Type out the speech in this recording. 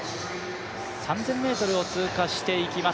３０００ｍを通過していきます。